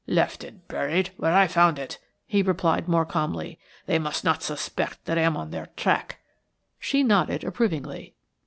"Left it buried where I found it," he replied more calmly. "They must not suspect that I am on their track." She nodded approvingly.